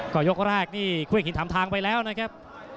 ก็ยกแรกนี่คู่เอกหินทำทางไปแล้วนะครับ